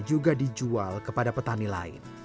juga dijual kepada petani lain